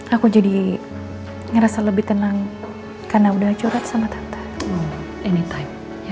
aku jadi ngerasa lebih tenang karena udah curhat sama tante anytime